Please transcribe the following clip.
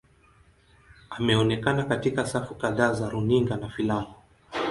Ameonekana katika safu kadhaa za runinga na filamu.